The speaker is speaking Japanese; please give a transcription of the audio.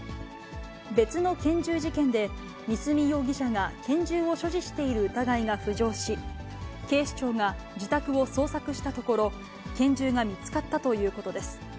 別の拳銃事件で三角容疑者が拳銃を所持している疑いが浮上し、警視庁が自宅を捜索したところ、拳銃が見つかったということです。